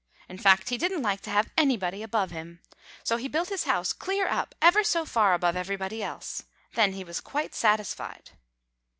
In fact, he didn't like to have anybody above him. So he built his house clear up ever so far above everybody else. Then he was quite satisfied."